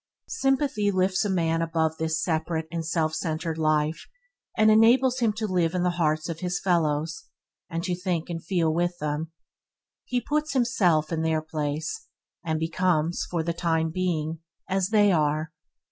Sympathy lifts a man above this separate and self centred life and enables him to live in the hearts of his fellows, and to think and feel with them. He puts himself in their place, and becomes, for the time being, as they are.